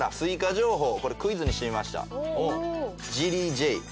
これクイズにしてみました。